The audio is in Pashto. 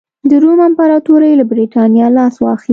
د روم امپراتورۍ له برېټانیا لاس واخیست.